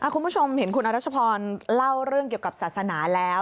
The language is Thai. คุณผู้ชมเห็นคุณอรัชพรเล่าเรื่องเกี่ยวกับศาสนาแล้ว